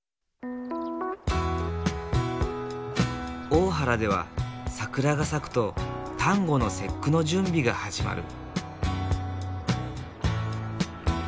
大原では桜が咲くと端午の節句の準備が始まる。